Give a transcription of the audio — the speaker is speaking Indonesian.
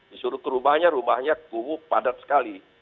disuruh ke rumahnya rumahnya kubu padat sekali